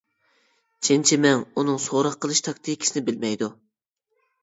چىن چىمىڭ ئۇنىڭ سوراق قىلىش تاكتىكىسىنى بىلمەيدۇ.